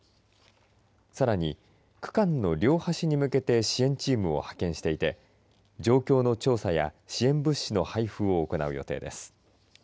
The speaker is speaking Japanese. さらに、区間の両端に向けて支援チームを派遣していて状況の調査や支援物資の配布を行う予定です。